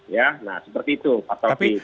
ya nah seperti itu pak taufik